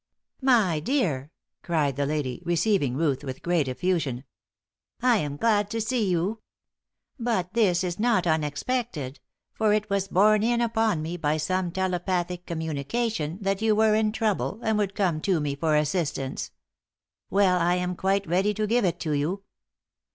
"My dear!" cried the lady, receiving Ruth with great effusion. "I am glad to see you. But this is not unexpected; for it was borne in upon me, by some telepathic communication, that you were in trouble, and would come to me for assistance. Well. I am quite ready to give it to you."